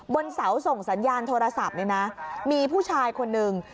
บนเสาส่งสัญญาณโทรศัพท์มีผู้ชายคนนึง